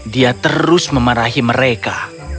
dia terus memarahi mereka